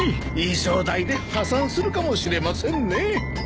衣装代で破産するかもしれませんねえ。